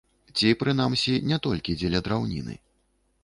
Ці, прынамсі, не толькі дзеля драўніны.